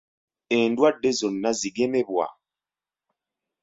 Endwadde zonna zigemebwa?